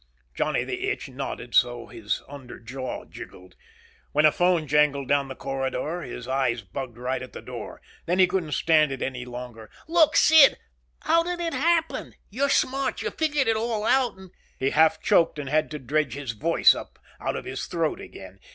Johnny the Itch nodded so his under jaw jiggled. When a phone jangled down the corridor, his eyes bugged right at the door. Then he couldn't stand it any longer. "Look, Sid, how did it happen? You're smart. You figured it all out and " He half choked and had to dredge his voice up out of his throat again.